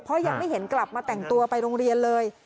เพราะยังไม่เห็นกลับมาแต่งตัวไปโรงเรียนเลย